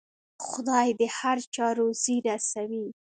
خدای د هر چا روزي رسوي.